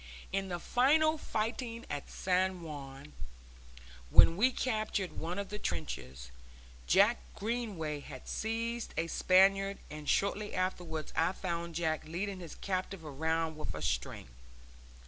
In the final fighting at San Juan, when we captured one of the trenches, Jack Greenway had seized a Spaniard, and shortly afterwards I found Jack leading his captive round with a string.